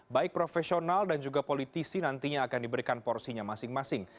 baik profesional dan juga politisi nantinya akan diberikan porsinya masing masing